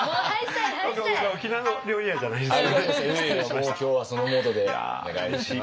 もう今日はそのモードでお願いします。